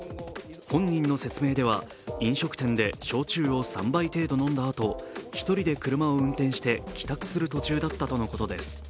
本人の説明では、飲食店で焼酎を３杯程度飲んだあと１人で車を運転して帰宅する途中だったとのことです。